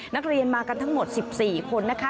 นักเรียนมากันทั้งหมด๑๔คนนะคะ